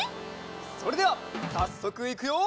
それではさっそくいくよ！